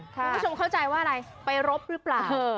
คุณผู้ชมเข้าใจว่าอะไรไปรบหรือเปล่า